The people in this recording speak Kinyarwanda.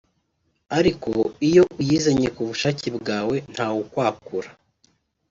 ariko iyo uyizanye ku bushake bwawe ntawukwakura